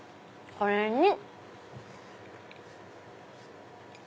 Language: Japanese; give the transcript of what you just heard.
これに。